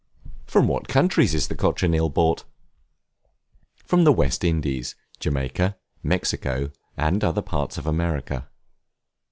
From what countries is the Cochineal brought? From the West Indies, Jamaica, Mexico, and other parts of America.